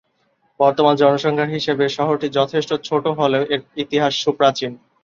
বর্তমান জনসংখ্যার হিসেবে শহরটি যথেষ্ট ছোট হলেও, এর ইতিহাস সুপ্রাচীন।